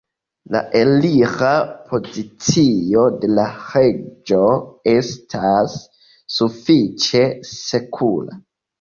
La elira pozicio de la reĝo estas sufiĉe sekura.